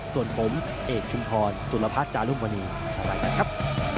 ส่วนผมเอกชุมพรสุรพัฒน์จารุมณีอะไรกันครับ